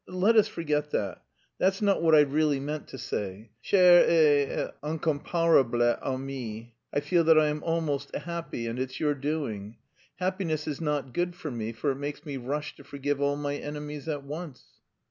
let us forget that. That's not what I really meant to say. Chère et incomparable amie, I feel that I am almost happy, and it's your doing. Happiness is not good for me for it makes me rush to forgive all my enemies at once...."